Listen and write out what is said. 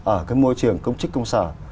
ở cái môi trường công chức công sở